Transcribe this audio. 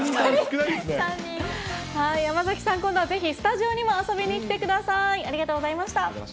山崎さん、今度はぜひスタジオにも遊びにきてください。